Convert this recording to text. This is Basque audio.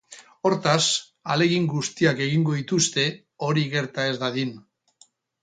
Hortaz, ahalegin guztiak egingo dituzte hori gerta ez dadin.